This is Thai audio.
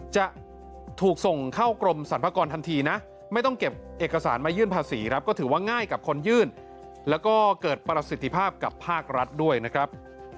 จะถูกส่งเข้ากรมสรรพากรทันทีนะไม่ต้องเก็บเอกสารมายื่นภาษีครับก็ถือว่าง่ายกับคนยื่นแล้วก็เกิดประสิทธิภาพกับภาครัฐด้วยนะครับ